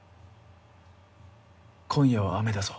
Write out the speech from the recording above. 今夜は雨だぞ。